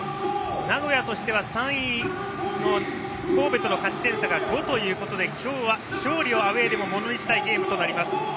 名古屋としては３位の神戸との勝ち点差が５ということで今日は、勝利をアウェーでもものにしたいゲームとなります。